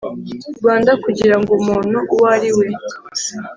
Rwanda kugira ngo umuntu uwo ari we